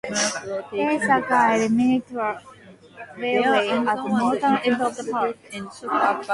There is a gauge miniature railway at the northern end of the park.